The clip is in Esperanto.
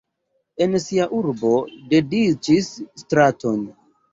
En sia urbo dediĉis straton.